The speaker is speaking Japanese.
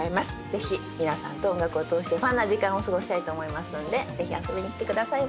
ぜひ皆さんと音楽を通してファンな時間を過ごしたいと思いますのでぜひ遊びに来てください。